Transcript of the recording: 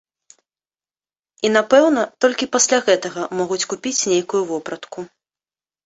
І, напэўна, толькі пасля гэтага могуць купіць нейкую вопратку.